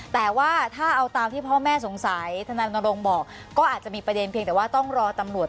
แต่ว่าถ้าเอาตามที่พ่อแม่สงสัยธนายรณรงค์บอกก็อาจจะมีประเด็นเพียงแต่ว่าต้องรอตำรวจ